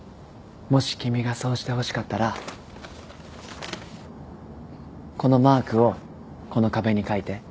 もし君がそうしてほしかったらこのマークをこの壁に描いて。